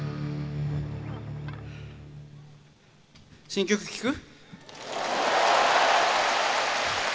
新曲聴く？